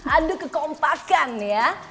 aduh kekompakan ya